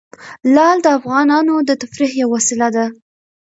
لعل د افغانانو د تفریح یوه وسیله ده.